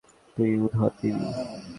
তুই উওর দিবি।